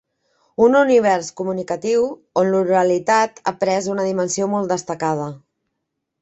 Un univers comunicatiu on l'oralitat ha pres una dimensió molt destacada.